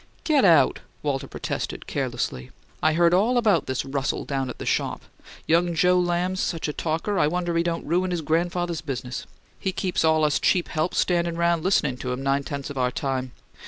"Get out!" Walter protested, carelessly. "I heard all about this Russell down at the shop. Young Joe Lamb's such a talker I wonder he don't ruin his grandfather's business; he keeps all us cheap help standin' round listening to him nine tenths of our time.